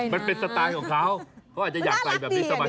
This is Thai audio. มันเป็นสตาลของเค้าเค้าอาจจะอยากไปอย่างนี้สบาย